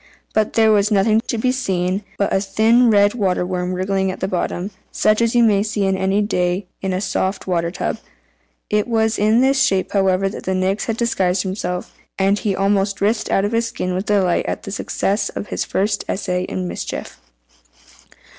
But there was nothing to be seen but a thin red water worm wriggling at the bottom, such as you may see any day in a soft water tub. It was in this shape, however, that the Nix had disguised himself, and he almost writhed out of his skin with delight at the success of his first essay in mischief.